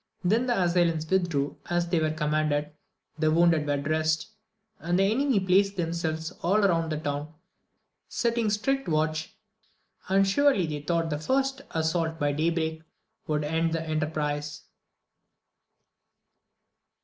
Then the assailants withdrew as they were commanded, the wounded were dressed; and the enemy placed themselves all round the town, setting strict watch, and surely they thought that the first assault at day break would end the enterprise.